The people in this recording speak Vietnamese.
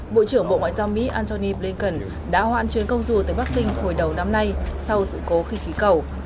bộ trưởng bộ ngoại giao mỹ antony blinken đã hoãn chuyến công du tới bắc kinh hồi đầu năm nay sau sự cố khinh khí cầu